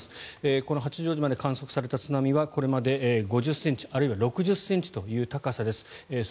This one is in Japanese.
この八丈島で観測された津波はこれまで５０ｃｍあるいは６０ｃｍという津波です。